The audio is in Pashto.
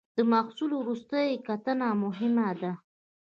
د محصول وروستۍ کتنه مهمه ده.